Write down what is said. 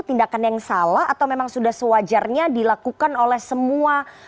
tindakan yang salah atau memang sudah sewajarnya dilakukan oleh semua